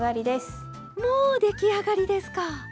もう出来上がりですか？